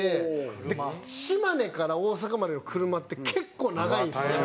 島根から大阪までの車って結構長いんですよ。